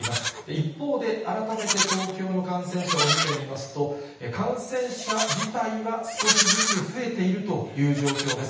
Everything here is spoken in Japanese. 一方で、改めて東京の感染者を見てみますと、感染者自体は少しずつ増えているという状況です。